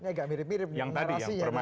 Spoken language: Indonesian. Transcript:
yang tadinya yang tadi